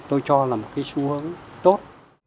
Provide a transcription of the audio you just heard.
tôi cho là một xu hướng tốt